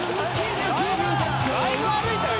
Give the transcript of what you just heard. ・だいぶ歩いたよ